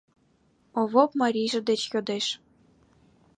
— Овоп марийже деч йодеш.